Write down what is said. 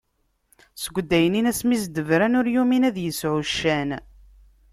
Seg udaynin asmi s-d-bran, ur yumin ad yesɛu ccan.